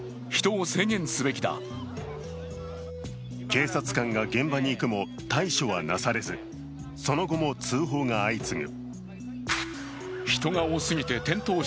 警察官が現場に行くも、対処はなされずその後も通報が相次ぐ。